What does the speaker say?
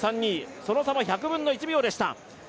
その差は１００分の１秒でした。